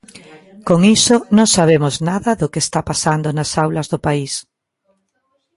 Con iso non sabemos nada do que está pasando nas aulas do país.